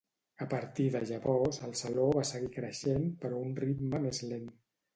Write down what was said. A partir de llavors el saló va seguir creixent però a un ritme més lent.